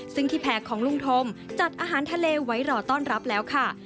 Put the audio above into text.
ซึ่งที่แผ่ของลุงธมจัดอาหารทะเลไว้รอต้อนรับแล้วค่ะ